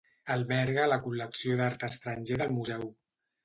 Alberga la col·lecció d'art estranger del museu.